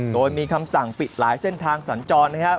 โดยมีคำสั่งปิดหลายเส้นทางสัญจรนะครับ